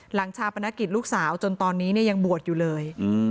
ชาปนกิจลูกสาวจนตอนนี้ยังบวชอยู่เลย